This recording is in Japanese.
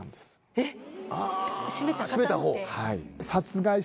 絞めた方！